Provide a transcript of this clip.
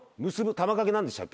玉掛け何でしたっけ？